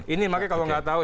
ini makanya kalau nggak tahu